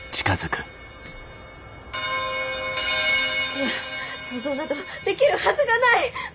いや想像などできるはずがない！